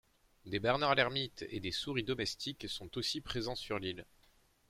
Des bernards l'hermite et des souris domestiques sont aussi présents sur l'île.